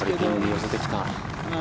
寄せてきた。